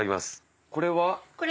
これは？